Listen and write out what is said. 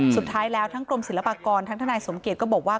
สุดท้ายแล้วทั้งกรมศิลปากรทั้งทนายสมเกียจก็บอกว่า